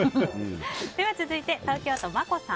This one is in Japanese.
続いて東京都の方。